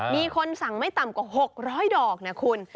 มีคนสั่งไม่ต่ำกว่า๖๐๐ดอกนะคุณ